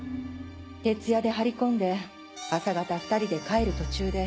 徹夜で張り込んで朝方２人で帰る途中で。